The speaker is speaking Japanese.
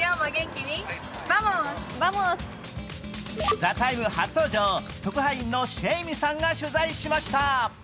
「ＴＨＥＴＩＭＥ，」初登場、特派員のシェイミさんが取材しました。